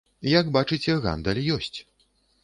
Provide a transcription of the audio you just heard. Як бачыце, гандаль ёсць.